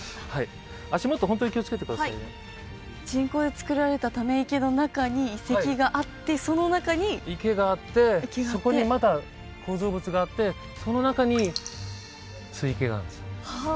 足元ホントに気をつけてくださいね人工で造られたため池の中に遺跡があってその中に池があってそこにまた構造物があってその中に水位計があるんですは